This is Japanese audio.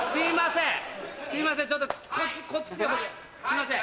すいません！